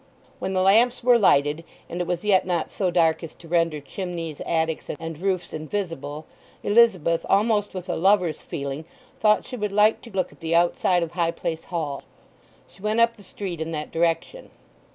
When the lamps were lighted, and it was yet not so dark as to render chimneys, attics, and roofs invisible, Elizabeth, almost with a lover's feeling, thought she would like to look at the outside of High Place Hall. She went up the street in that direction.